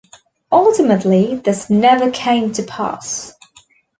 Ultimately, this never came to pass.